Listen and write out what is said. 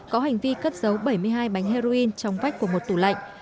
có hành vi cất dấu bảy mươi hai bánh heroin trong vách của một tủ lạnh